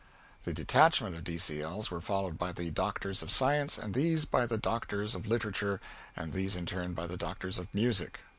The detachment of D.C.L.'s were followed by the Doctors of Science, and these by the Doctors of Literature, and these in turn by the Doctors of Music.